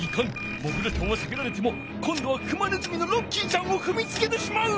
モグラちゃんはさけられてもこんどはクマネズミのロッキーちゃんをふみつけてしまう！